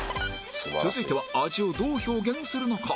続いては味をどう表現するのか？